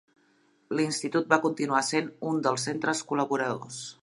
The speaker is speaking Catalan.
L'institut va continuar sent un dels centres col·laboradors.